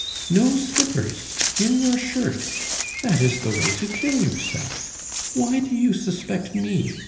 "No slippers! In your shirt! That is the way to kill yourself! Why do you suspect me?